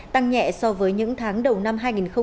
tăng nhẹ so với những tháng đầu năm hai nghìn hai mươi